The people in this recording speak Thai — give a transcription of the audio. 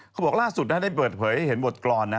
เขาบอกล่าสุดได้เปิดเผยให้เห็นบทกรรมนะ